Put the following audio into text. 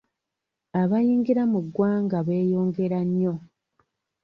Abayingira mu ggwanga beeyongerera nnyo.